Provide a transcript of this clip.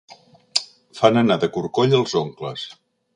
Fan anar de corcoll els oncles.